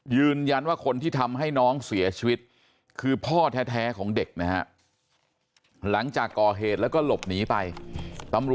ยืนยันว่า